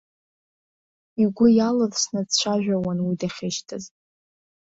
Игәы иалырсны дцәажәауан уи дахьышьҭаз.